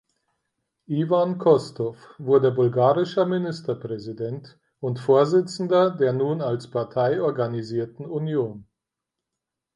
Iwan Kostow wurde bulgarischer Ministerpräsident und Vorsitzender der nun als Partei organisierten Union.